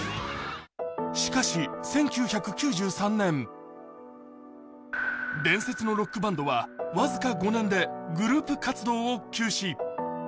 しかし１９９３年、伝説のロックバンドは僅か５年でグループ活動を休止。